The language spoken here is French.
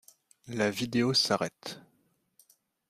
La vidéo s’arrête.